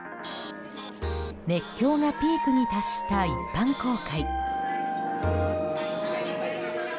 熱狂がピークに達した一般公開。